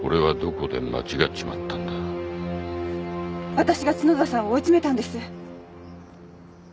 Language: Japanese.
わたしが角田さんを追い詰めたんです。